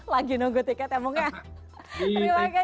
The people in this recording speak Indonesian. lagi nunggu tiket ya mau nggak